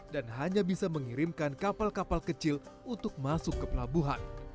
dan hanya bisa mengirimkan kapal kapal kecil untuk masuk ke pelabuhan